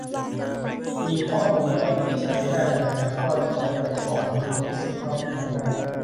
มีข้อมูลอะไรที่ใช้ได้ทันที ก็ใช้ไปก่อน ดีที่สุดเท่าที่ทำได้